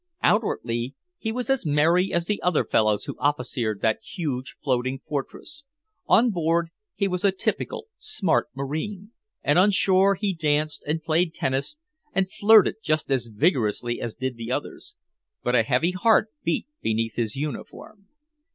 Outwardly he was as merry as the other fellows who officered that huge floating fortress; on board he was a typical smart marine, and on shore he danced and played tennis and flirted just as vigorously as did the others. But a heavy heart beat beneath his uniform.